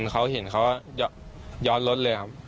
เค้าเห็นเขายอดรถ